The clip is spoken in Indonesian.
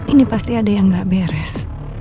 ini pasti ada yang gak beres